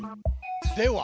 では。